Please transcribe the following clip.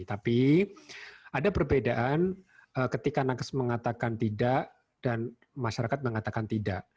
tapi ada perbedaan ketika nakes mengatakan tidak dan masyarakat mengatakan tidak